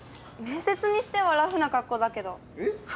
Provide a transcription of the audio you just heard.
面接にしてはラフな格好だけど。